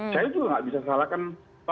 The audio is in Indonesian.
saya juga nggak bisa salahkan